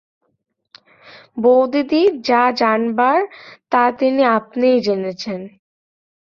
বউদিদি যা জানবার তা তিনি আপনিই জেনেছেন।